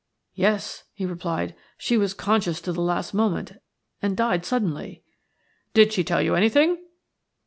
"Yes," he replied. "She was conscious to the last moment, and died suddenly." "Did she tell you anything?"